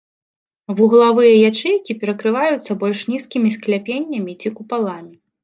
Вуглавыя ячэйкі перакрываюцца больш нізкімі скляпеннямі ці купаламі.